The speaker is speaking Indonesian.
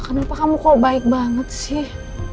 kenapa kamu kok baik banget sih